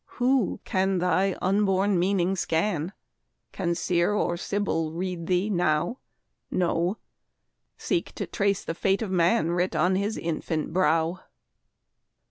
Who can thy unborn meaning scan? Can Seer or Sibyl read thee now? No, seek to trace the fate of man Writ on his infant brow.